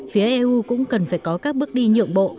phía eu cũng cần phải có các bước đi nhượng bộ